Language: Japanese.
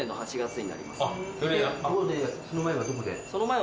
その前はどこで？